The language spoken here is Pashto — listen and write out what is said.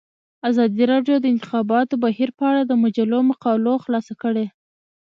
ازادي راډیو د د انتخاباتو بهیر په اړه د مجلو مقالو خلاصه کړې.